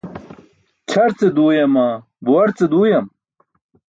Ćʰar ce duuyama, buwar ce duuyam?